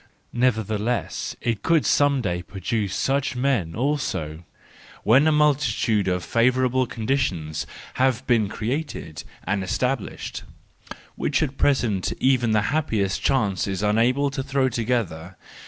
Nevertheless it could some day produce such men also—when a multitude of favourable conditions have been created and established, which at present even the happiest chance is unable to throw together.